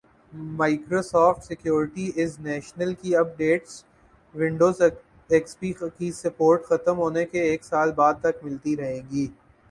Microsoft security essential کی updates Windows X P کی support ختم ہونے کے ایک سال بعد تک ملتی رہیں گی